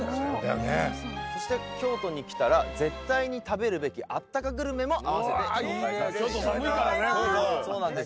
そして京都に来たら絶対に食べるべきあったかグルメも併せて紹介させていただきます。